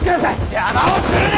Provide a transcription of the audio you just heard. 邪魔をするな！